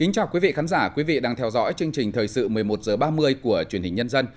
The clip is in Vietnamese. chào mừng quý vị đến với chương trình thời sự một mươi một h ba mươi của truyền hình nhân dân